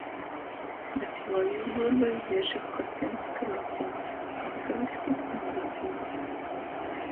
Bet juoīguodoj Ježi Kosinska liktiņs, latgaliski — nūlicīņs.